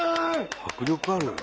迫力あるよね。